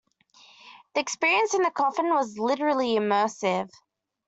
The experience in the coffin was literally immersive.